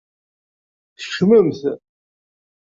Tkecmemt.